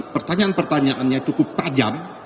pertanyaan pertanyaannya cukup tajam